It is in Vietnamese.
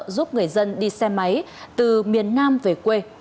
giúp người dân đi xe máy từ miền nam về quê